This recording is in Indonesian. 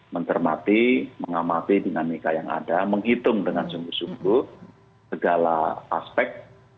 mencermati mengamati dinamika yang ada menghitung dengan sungguh sungguh segala aspek